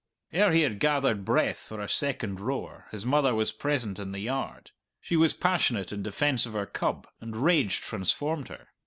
Ere he had gathered breath for a second roar his mother was present in the yard. She was passionate in defence of her cub, and rage transformed her.